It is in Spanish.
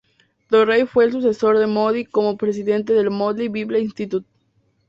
Torrey fue el sucesor de Moody como presidente del "Moody Bible Institute".